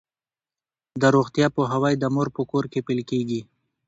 د روغتیا پوهاوی د مور په کور کې پیل کیږي.